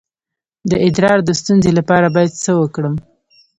د ادرار د ستونزې لپاره باید څه وکړم؟